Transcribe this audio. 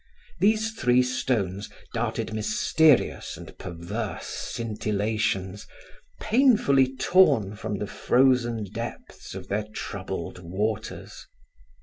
These three stones darted mysterious and perverse scintillations, painfully torn from the frozen depths of their troubled waters.